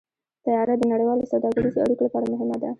طیاره د نړیوالو سوداګریزو اړیکو لپاره مهمه ده.